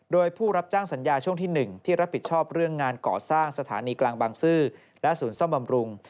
โดยผู้รับจ้างสัญญาช่วงที่๑ที่รับผิดชอบเรื่องงานก่อสร้างสถานีกลางบางซื่อและศูนย์ซ่อมบำรุง